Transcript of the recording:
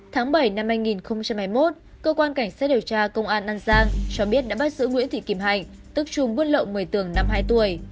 tháng bảy năm hai nghìn hai mươi một cơ quan cảnh sát điều tra công an an giang cho biết đã bắt giữ nguyễn thị kim hạnh tức trùng buôn lậu một mươi tường năm mươi hai tuổi